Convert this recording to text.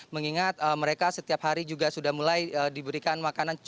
mengingat mereka setiap hari juga sudah mulai diberikan makanan